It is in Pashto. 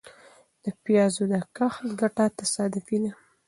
د پيازو د کښت ګټه تصادفي ده .